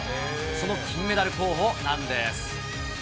その金メダル候補なんです。